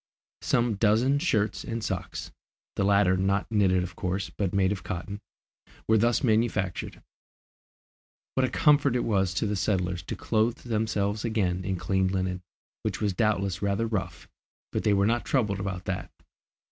Some dozen shirts and socks the latter not knitted of course, but made of cotton were thus manufactured. What a comfort it was to the settlers to clothe themselves again in clean linen, which was doubtless rather rough, but they were not troubled about that!